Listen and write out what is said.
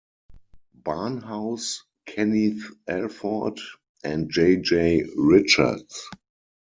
Barnhouse, Kenneth Alford, and J. J. Richards.